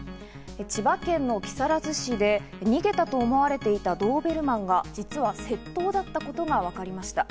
千葉県の木更津市で逃げたと思われていたドーベルマンが実は窃盗だったことがわかりました。